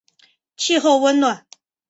气候温暖。